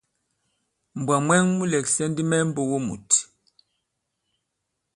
Mbwǎ mwɛ̀ŋ mu lɛ̀ksɛ̀ ndi mɛ mbogo mùt.